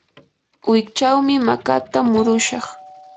wikchawmi makata murushaq.